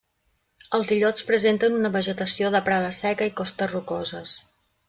Els illots presenten una vegetació de prada seca i costes rocoses.